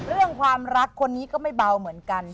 เรื่องความรักคนนี้ก็ไม่เบาเหมือนกัน